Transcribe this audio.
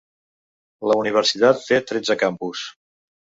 La universitat té tretze campus.